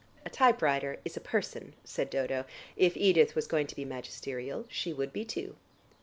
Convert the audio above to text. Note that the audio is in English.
"A typewriter is a person," said Dodo. If Edith was going to be magisterial she would be, too.